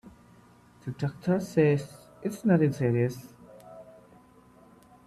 The doctor says it's nothing serious.